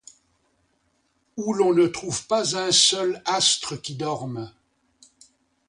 Où l’on ne trouve pas un seul astre qui dorme